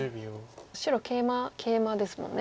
白ケイマケイマですもんね。